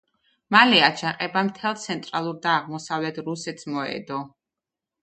მალე აჯანყება მთელ ცენტრალურ და აღმოსავლეთ რუსეთს მოედო.